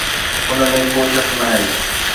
ان ۾ ڪو شڪ ناهي